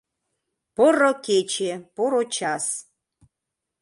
Поро кече, поро час!